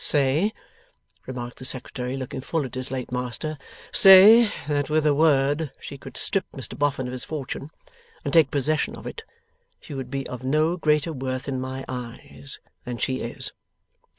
Say,' remarked the Secretary, looking full at his late master, 'say that with a word she could strip Mr Boffin of his fortune and take possession of it, she would be of no greater worth in my eyes than she is.